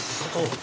そう。